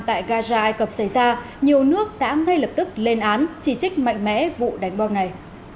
tại gaza ai cập xảy ra nhiều nước đã ngay lập tức lên án chỉ trích mạnh mẽ vụ đánh bom này